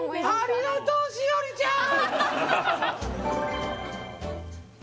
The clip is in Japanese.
ありがとう栞里ちゃん